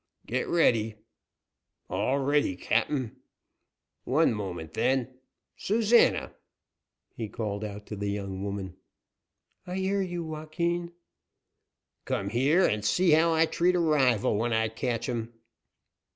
"Get ready." "All ready, cap'n." "One moment, then. Susana?" He called out to the young woman. "I hear you, Joaquin." "Come here and see how I treat a rival when I catch him."